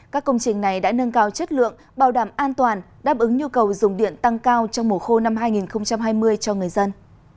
các công trình này đã nâng cao chất lượng bảo đảm an toàn đáp ứng nhu cầu dùng điện tăng cao trong mùa khô năm hai nghìn hai mươi cho người dân